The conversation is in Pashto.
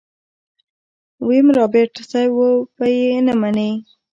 ويم رابرټ صيب وبه يې نه منې.